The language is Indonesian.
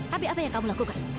tapi apa yang kamu lakukan